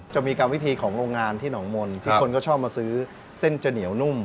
กรรมวิธีของโรงงานที่หนองมนต์ที่คนก็ชอบมาซื้อเส้นจะเหนียวนุ่ม